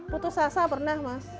putus asa pernah mas